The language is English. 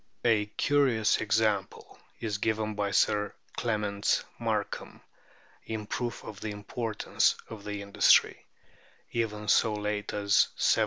A curious example is given by Sir Clements Markham in proof of the importance of the industry, even so late as 1712.